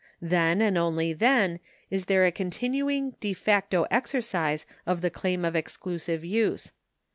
Then, and only then, is there a continuing de facto exercise of the claim of exclusive use.